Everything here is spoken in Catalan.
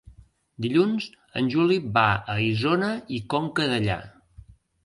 Dilluns en Juli va a Isona i Conca Dellà.